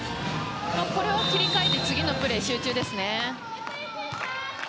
これは切り替えて次のプレーに集中ですね。